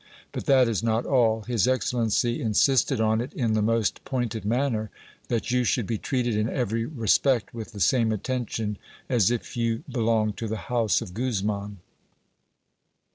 But that is not all : his excellency insisted on it iri the most pointed manner, tiat you should be treated in every respect with the same attention as if you belonged to the house of Guzman.